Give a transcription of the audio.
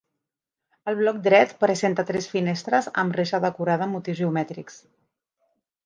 El bloc dret presenta tres finestres amb reixa decorada amb motius geomètrics.